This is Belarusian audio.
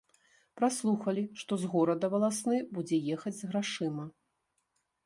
Праслухалі, што з горада валасны будзе ехаць з грашыма.